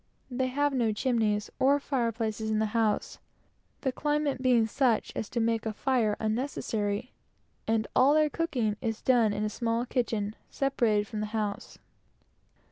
They have no chimneys or fire places in the houses, the climate being such as to make a fire unnecessary; and all their cooking is done in a small cook house, separated from the house.